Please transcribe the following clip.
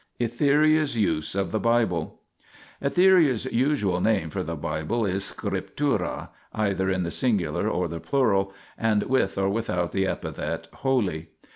ETHERIA'S USE OF THE BIBLE Etheria's usual name for the Bible is Scriptura (either in the singular or the plural, and with or without the epithet " Holy